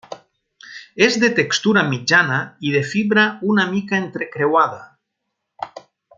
És de textura mitjana i de fibra una mica entrecreuada.